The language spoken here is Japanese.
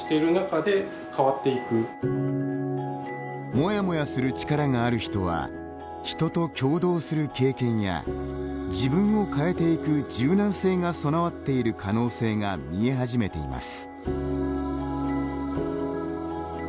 モヤモヤする力がある人は人と協働する経験や自分を変えていく柔軟性が備わっている可能性が見え始めています。